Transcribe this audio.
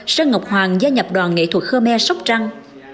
sơn ngọc hoàng gia nhập đoàn nghệ thuật khmer sóc trăng